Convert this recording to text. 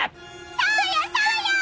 そうよそうよ！